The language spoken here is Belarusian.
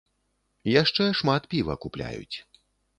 Яшчэ шмат піва купляюць.